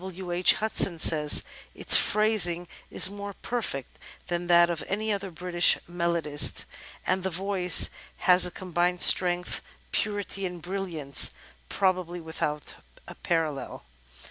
W. H. Hudson says: "Its phrasing is more perfect than that of any other British melodist, and the voice has a combined strength, purity and brilliance, probably without a parallel."